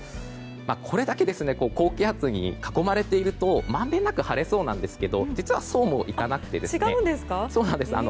これだけ高気圧に囲まれているとまんべんなく晴れそうなんですが実は、そうもいかなくてですね。